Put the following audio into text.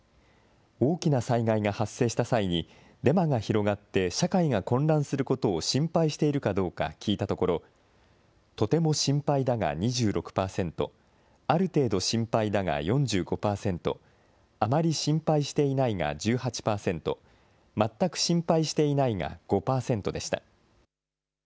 大きな災害が発生した際に、デマが広がって社会が混乱することを心配しているかどうか聞いたところ、とても心配だが２６％、ある程度心配だが４５％、あまり心配していないが１８％、全く心配していないが５％でした。